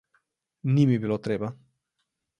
Ni mi bilo treba.